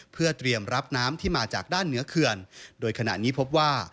เพื่อเตรียมรับน้ำที่มาจากด้านเหนือเขื่อนโดยขณะนี้พบว่า